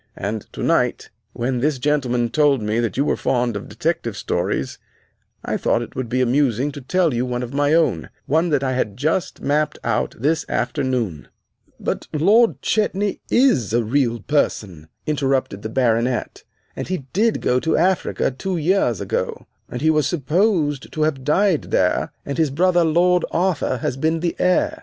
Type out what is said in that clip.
And tonight, when this gentleman told me that you were fond of detective stories, I thought it would be amusing to tell you one of my own one I had just mapped out this afternoon." "But Lord Chetney is a real person," interrupted the Baronet, "and he did go to Africa two years ago, and he was supposed to have died there, and his brother, Lord Arthur, has been the heir.